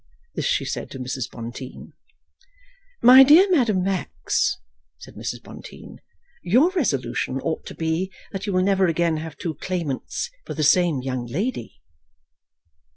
This she said to Mrs. Bonteen. "My dear Madame Max," said Mrs. Bonteen, "your resolution ought to be that you will never again have two claimants for the same young lady."